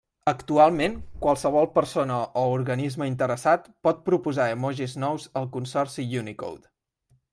Actualment, qualsevol persona o organisme interessat pot proposar emojis nous al consorci Unicode.